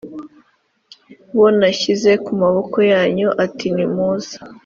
bo nashyize mu maboko yanyu atinimuze